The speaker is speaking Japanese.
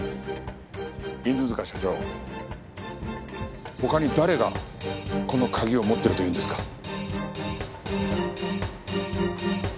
犬塚社長他に誰がこの鍵を持ってるというんですか？